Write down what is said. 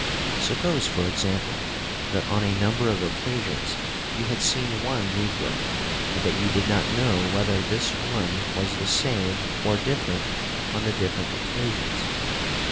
Suppose, for example, that on a number of occasions you had seen one negro, and that you did not know whether this one was the same or different on the different occasions.